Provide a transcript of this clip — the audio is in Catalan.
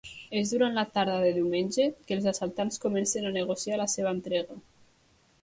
És durant la tarda de diumenge que els assaltants comencen a negociar la seva entrega.